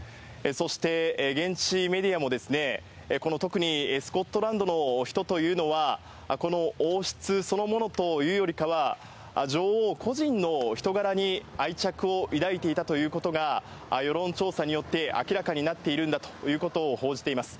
そして、現地メディアも、特にスコットランドの人というのは、この王室そのものというよりかは、女王個人の人柄に愛着を抱いていたということが、世論調査によって明らかになっているんだということを報じています。